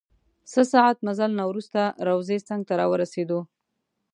څه ساعت مزل نه وروسته روضې څنګ ته راورسیدو.